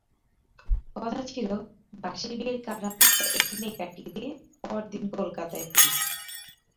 কথা ছিল বাসি-বিয়ের কালরাত্রিটা এখানেই কাটিয়ে দিয়ে পরদিন কলকাতায় ফিরবে।